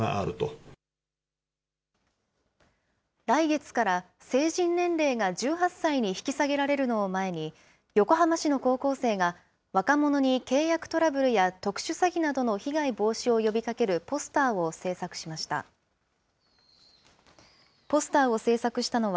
来月から成人年齢が１８歳に引き下げられるのを前に、横浜市の高校生が、若者に契約トラブルや特殊詐欺などの被害防止を呼びかけるポスターを制作しました。